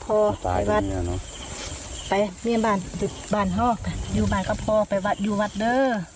ไปวัดไปเงียบบ้านบ้านฮอกอยู่บ้านก็พออยู่วัดเด้อ